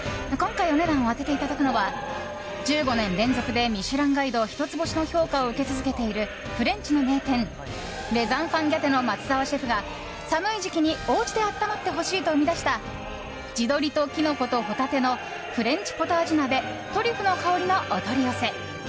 今回、お値段を当てていただくのは１５年連続で「ミシュランガイド」一つ星の評価を受け続けているフレンチの名店レザンファンギャテの松澤シェフが寒い時期におうちであったまってほしいと生み出した地鶏とキノコと帆立のフレンチ・ポタージュ鍋、トリュフの香りのお取り寄せ。